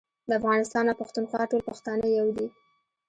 د افغانستان او پښتونخوا ټول پښتانه يو دي